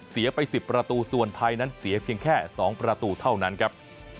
เสียไป๑๐ประตูส่วนไทยนั้นเสียเพียงแค่๒ประตูเท่านั้นครับ